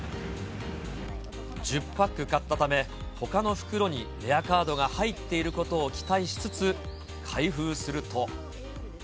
１０パック買ったため、ほかの袋にレアカードが入っていることを期待しつつ、開封すると。